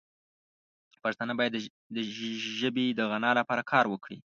پښتانه باید د ژبې د غنا لپاره کار وکړي.